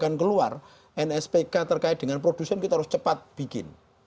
akan keluar nspk terkait dengan produsen kita harus cepat bikin